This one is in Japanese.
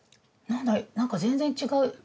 なんか全然違う。